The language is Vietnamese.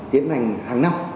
tiến hành hàng năm